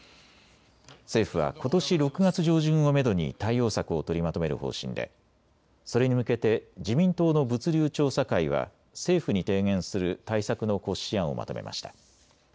政府は、ことし６月上旬をめどに対応策を取りまとめる方針でそれに向けて自民党の物流調査会は政府に提言する対策の骨子案をまとめました。